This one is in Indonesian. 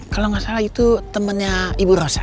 kalau nggak salah itu temannya ibu rose